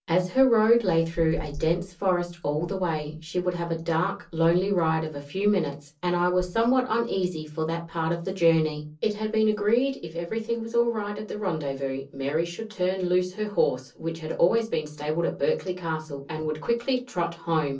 As her road lay through a dense forest all the way, she would have a dark, lonely ride of a few minutes, and I was somewhat uneasy for that part of the journey. It had been agreed that if everything was all right at the rendezvous, Mary should turn loose her horse, which had always been stabled at Berkeley Castle and would quickly trot home.